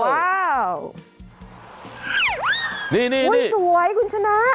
ว้าวนี่สวยคุณชนะ